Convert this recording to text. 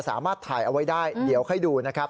สามารถถ่ายเอาไว้ได้เดี๋ยวให้ดูนะครับ